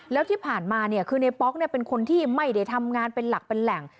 แล้วที่ผ่านมาเนี่ยคือในป๊อกเป็นคนที่ไม่ได้ทำงานเป็นหลักเป็นแหล่ง